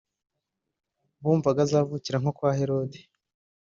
bumvaga azavukira nko kwa Herode